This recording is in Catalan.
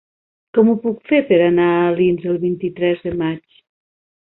Com ho puc fer per anar a Alins el vint-i-tres de maig?